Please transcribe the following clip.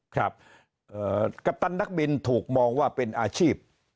ครับกัปตันนักบินถูกมองว่าเป็นอาชีพ